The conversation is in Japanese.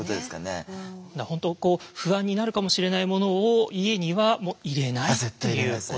本当不安になるかもしれないものを家には入れないっていうことなんですね。